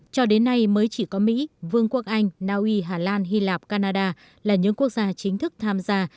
cho đến nay mới chỉ có mỹ vương quốc anh naui hà lan hy lạp canada là những quốc gia chính thức tham gia